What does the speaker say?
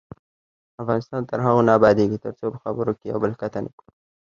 افغانستان تر هغو نه ابادیږي، ترڅو په خبرو کې یو بل قطع نکړو.